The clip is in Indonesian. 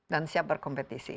dan siap berkompetisi